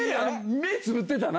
目、つぶってたな。